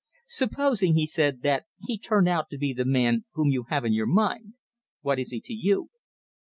"Supposing," he said, "that he turned out to be the man whom you have in your mind, what is he to you?"